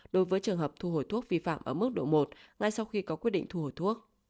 đối với trường hợp thu hồi thuốc vi phạm ở mức độ một ngay sau khi có quyết định thu hồi thuốc